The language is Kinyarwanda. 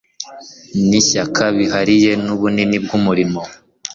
nishyaka bihariye n'ubunini bw'umurimo.